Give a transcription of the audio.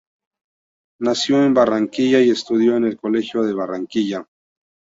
Nació en Barranquilla y estudió en el Colegio Barranquilla.